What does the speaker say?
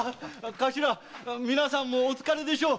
頭みなさんもお疲れでしょう。